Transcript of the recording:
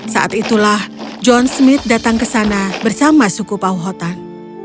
saat itulah john smith datang ke sana bersama suku pauhotan